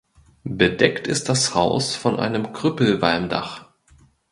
Bedeckt ist das Haus von einem Krüppelwalmdach.